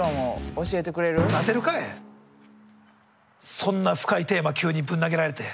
そんな深いテーマ急にぶん投げられて。